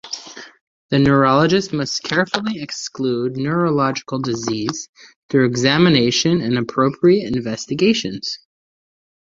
The neurologist must carefully exclude neurological disease, through examination and appropriate investigations.